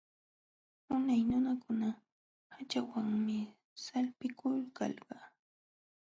Unay nunakuna haćhawanmi sampikulkalqa.